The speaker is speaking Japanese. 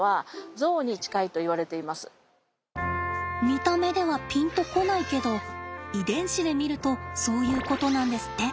見た目ではピンと来ないけど遺伝子で見るとそういうことなんですって。